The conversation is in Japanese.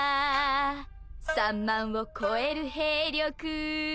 「３万を超える兵力」